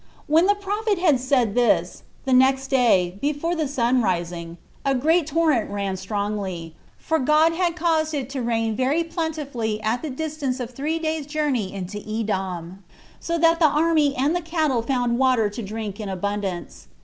2. When the prophet had said this, the next day, before the sun rising, a great torrent ran strongly; for God had caused it to rain very plentifully at the distance of three days' journey into Edom, so that the army and the cattle found water to drink in abundance.